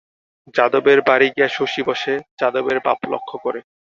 যাদবের বাড়ি গিয়া শশী বসে, যাদবের ভাব লক্ষ করে।